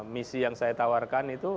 misi yang saya tawarkan itu